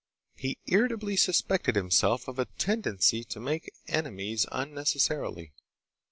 He irritably suspected himself of a tendency to make enemies unnecessarily.